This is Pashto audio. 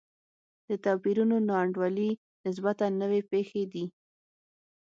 د توپیرونو نا انډولي نسبتا نوې پېښې دي.